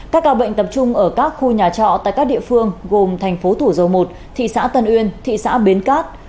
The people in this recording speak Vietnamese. các ca bệnh tập trung ở các khu nhà trọ tại các địa phương gồm thành phố thủ dầu một thị xã tân uyên thị xã bến cát